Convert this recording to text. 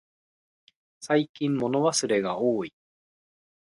最近忘れ物がおおい。